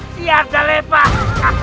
siar dan lepak